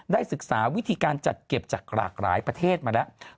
ศึกษาวิธีการจัดเก็บจากหลากหลายประเทศมาแล้ว